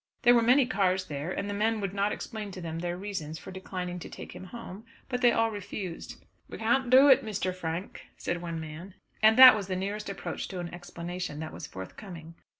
There were many cars there, and the men would not explain to him their reasons for declining to take him home; but they all refused. "We can't do it, Mr. Frank," said one man; and that was the nearest approach to an explanation that was forthcoming.